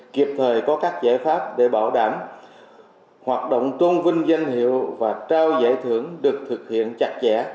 kịp thời có các giải pháp để bảo đảm hoạt động tôn vinh danh hiệu và trao giải thưởng được thực hiện chặt chẽ